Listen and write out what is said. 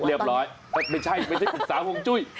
เรียบร้อยไม่ใช่อุตสานหัวจุ้ย